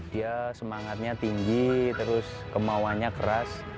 dia semangatnya tinggi terus kemauannya keras